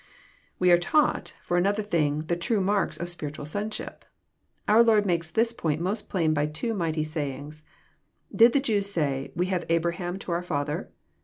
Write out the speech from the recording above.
We are taught for another thing the true marks of spiritual sonship. Our Lord makes this point most plain by two mighty sayings. Did the Jews say, "We have Abraham to our father